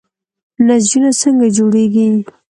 نسجونه څنګه جوړیږي؟